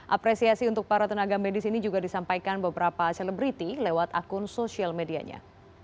apresiasi untuk para tenaga medis ini juga disampaikan beberapa selebriti lewat akun sosial medianya